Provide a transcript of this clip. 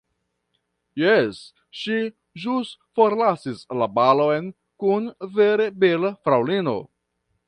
Jes, ŝi ĵus forlasis la balon kun vere bela fraŭlino.